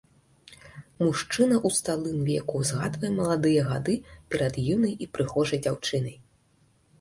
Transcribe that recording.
Мужчына ў сталым веку згадвае маладыя гады перад юнай і прыгожай дзяўчынай.